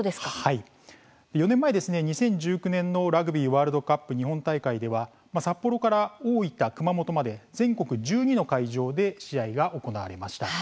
４年前２０１９年のラグビーワールドカップ日本大会では札幌から大分、熊本まで全国１２の会場で試合が行われました。